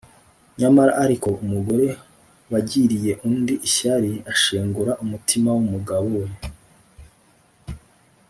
Nyamara ariko, umugore wagiriye undi ishyari, ashengura umutima w’umugabo we,